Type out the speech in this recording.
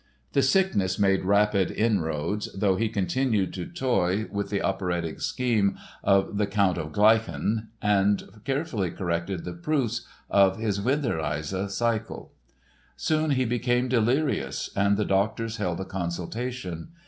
The sickness made rapid inroads, though he continued to toy with the operatic scheme of the Count of Gleichen, and carefully corrected the proofs of his Winterreise cycle. Soon he became delirious and the doctors held a consultation.